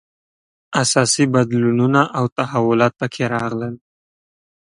اساسي بدلونونه او تحولات په کې راغلل.